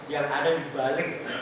yang ada dibalik